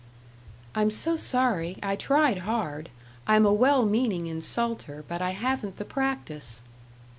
"I'm so sorry. I tried hard I'm a well meaning insulter, but I haven't the practice."